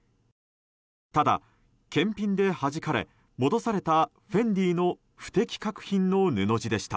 ただ、検品ではじかれ戻されたＦＥＮＤＩの不適格品の布地でした。